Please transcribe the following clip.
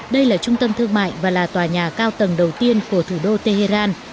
đây là trung tâm thương mại và là tòa nhà cao tầng đầu tiên của thủ đô tehran